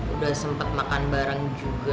udah sempat makan bareng juga